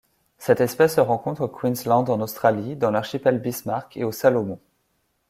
Cette espèce se rencontre au Queensland en Australie, dans l'archipel Bismarck et aux Salomon.